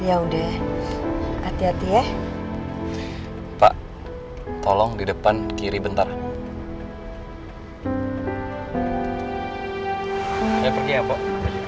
ya udah hati hati ya pak tolong di depan kiri bentar ya pergi ya mpok